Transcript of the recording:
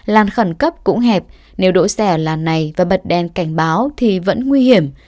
làn khẩn cấp cũng hẹp nếu đỗ xe ở làn này và bật đèn cảnh báo thì vẫn nguy hiểm